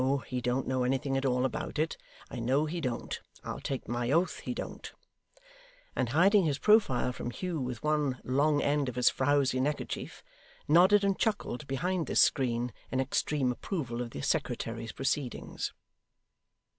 He don't know anything at all about it. I know he don't. I'll take my oath he don't;' and hiding his profile from Hugh with one long end of his frowzy neckerchief, nodded and chuckled behind this screen in extreme approval of the secretary's proceedings.